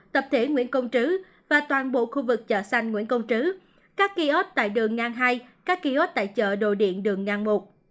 tập thể nguyễn công trứ và toàn bộ khu vực chợ xanh nguyễn công trứ các ký ốt tại đường ngang hai các kiosk tại chợ đồ điện đường ngang một